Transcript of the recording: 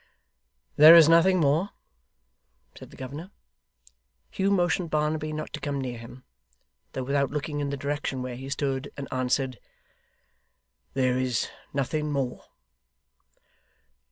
'There is nothing more?' said the governor. Hugh motioned Barnaby not to come near him (though without looking in the direction where he stood) and answered, 'There is nothing more.